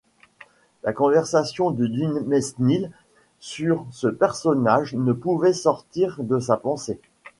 La conversation de Dumesnil sur ce personnage ne pouvait sortir de ma pensée.